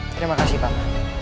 terima kasih paman